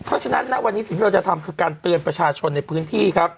เพราะฉะนั้นณวันนี้สิ่งที่เราจะทำคือการเตือนประชาชนในพื้นที่ครับ